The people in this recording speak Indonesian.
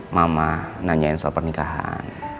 mama nanyain soal pernikahan